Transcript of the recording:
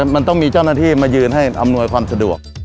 มันต้องมีเจ้าหน้าที่มายืนให้อำนวยความสะดวก